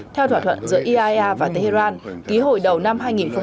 theo thỏa thuận giữa iaea và tehran ký hồi đầu năm hai nghìn hai mươi ba